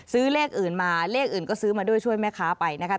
เลขอื่นมาเลขอื่นก็ซื้อมาด้วยช่วยแม่ค้าไปนะคะ